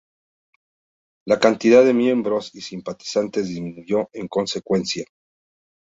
La cantidad de miembros y simpatizantes disminuyó en consecuencia.